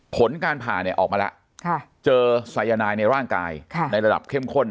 ผลการผ่าเนี่ยออกมาแล้วเจอสายนายในร่างกายในระดับเข้มข้น